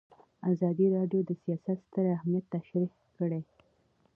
ازادي راډیو د سیاست ستر اهميت تشریح کړی.